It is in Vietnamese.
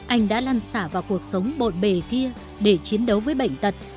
anh đã lan xả vào cuộc sống bộn bề kia để chiến đấu với bệnh tật